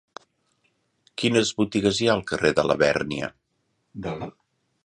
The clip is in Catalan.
Quines botigues hi ha al carrer de Labèrnia?